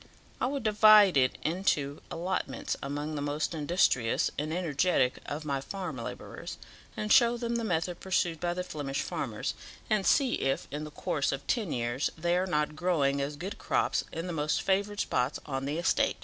I would divide it into allotments among the most industrious and energetic of my farm labourers, and show them the method pursued by the Flemish farmers, and see if in the course of ten years they are not growing as good crops as in the most favoured spots on the estate.